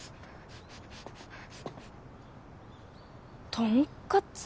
とんかつ？